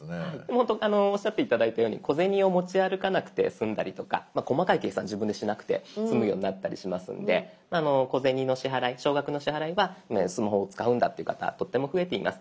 ほんとにおっしゃって頂いたように小銭を持ち歩かなくて済んだりとか細かい計算自分でしなくて済むようになったりしますので小銭の支払い少額の支払いはスマホを使うんだって方とっても増えています。